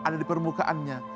ada di permukaannya